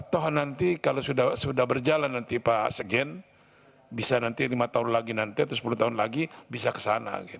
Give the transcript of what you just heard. toh nanti kalau sudah berjalan nanti pak sekjen bisa nanti lima tahun lagi nanti atau sepuluh tahun lagi bisa ke sana